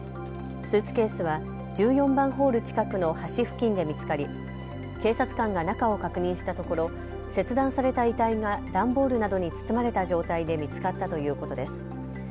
スーツケースは１４番ホール近くの橋付近で見つかり警察官が中を確認したところ切断された遺体が段ボールなどに包まれた状態で見つかったということです。